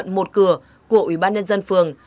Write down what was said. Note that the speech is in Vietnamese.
một cửa của ủy ban nhân dân phường